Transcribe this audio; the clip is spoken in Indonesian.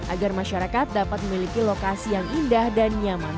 agar masyarakat dapat memiliki lokasi yang indah dan nyaman